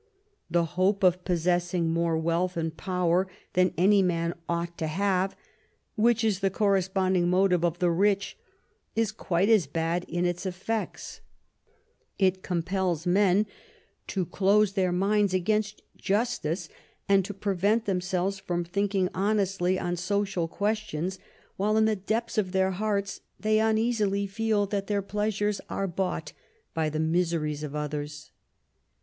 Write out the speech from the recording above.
The hope of possessing more wealth and power than any man ought to have, which is the corresponding motive of the rich, is quite as bad in its effects; it compels men to close their minds against justice, and to prevent themselves from thinking honestly on social questions while in the depths of their hearts they uneasily feel that their pleasures are bought by the miseries of others.